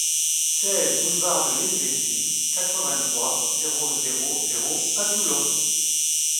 seize boulevard de l'Hélvétie, quatre-vingt-trois, zéro zéro zéro à Toulon